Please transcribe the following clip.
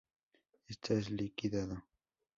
Estás liquidado.